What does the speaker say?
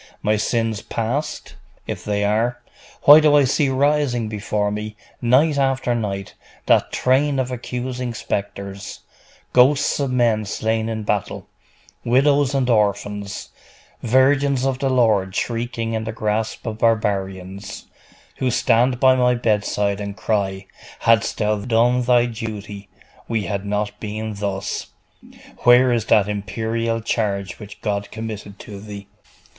My sins past? If they are, why do I see rising before me, night after night, that train of accusing spectres, ghosts of men slain in battle, widows and orphans, virgins of the Lord shrieking in the grasp of barbarians, who stand by my bedside and cry, "Hadst thou done thy duty, we had not been thus! Where is that imperial charge which God committed to thee?"